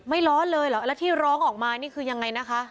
ร้อนเลยเหรอแล้วที่ร้องออกมานี่คือยังไงนะคะ